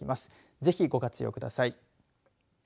ぜひご活用ください。